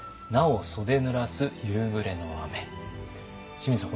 清水さん